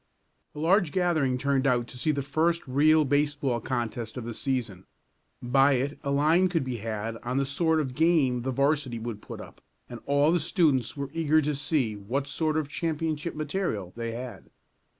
A large gathering turned out to see the first real baseball contest of the season. By it a line could be had on the sort of game the 'varsity would put up, and all the students were eager to see what sort of championship material they had.